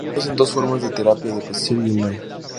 Ofrecen dos formas de terapia: la presencial y la "online".